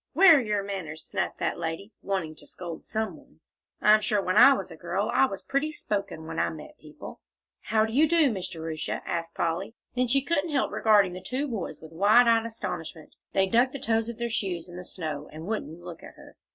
"Where are your manners?" snapped that lady, wanting to scold some one. "I'm sure when I was a girl I was pretty spoken, when I met people." "How do you do, Miss Jerusha?" asked Polly. Then she couldn't help regarding the two boys with wide eyed astonishment; they dug the toes of their shoes in the snow, and wouldn't look at her.